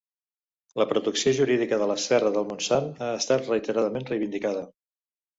La protecció jurídica de la serra del Montsant ha estat reiteradament reivindicada.